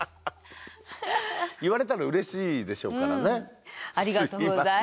言われたらうれしいでしょうからね。